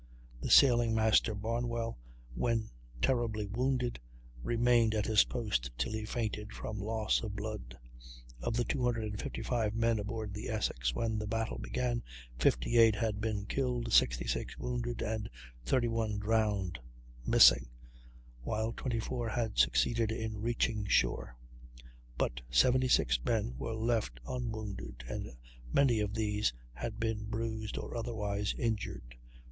The sailing master, Barnwell, when terribly wounded, remained at his post till he fainted from loss of blood. Of the 255 men aboard the Essex when the battle began, 58 had been killed, 66 wounded, and 31 drowned ("missing"), while 24 had succeeded in reaching shore. But 76 men were left unwounded, and many of these had been bruised or otherwise injured.